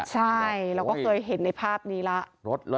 ใช่เราก็เคยเห็นในภาพนี้แล้ว